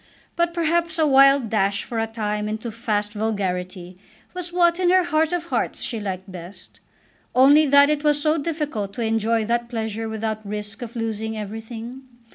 But perhaps a wild dash for a time into fast vulgarity was what in her heart of hearts she liked best, only that it was so difficult to enjoy that pleasure without risk of losing everything.